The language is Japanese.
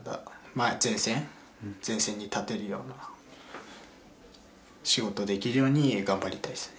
あ前線前線に立てるような仕事できるように頑張りたいですね。